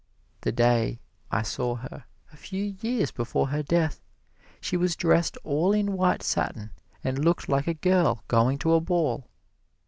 The day I saw her, a few years before her death, she was dressed all in white satin and looked like a girl going to a ball.